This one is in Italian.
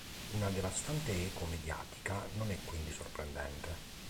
Una "devastante eco mediatica" non è quindi sorprendente.